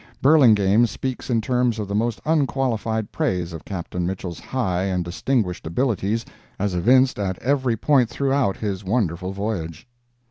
Burlingame speaks in terms of the most unqualified praise of Captain Mitchell's high and distinguished abilities as evinced at every point throughout his wonderful voyage.